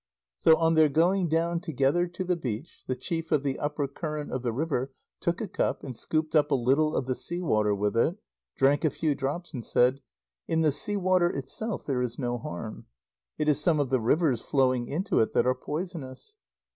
So, on their going down together to the beach, the Chief of the Upper Current of the River took a cup, and scooped up a little of the sea water with it, drank a few drops, and said: "In the sea water itself there is no harm. It is some of the rivers flowing into it that are poisonous.